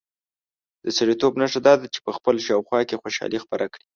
د سړیتوب نښه دا ده چې په خپل شاوخوا کې خوشالي خپره کړي.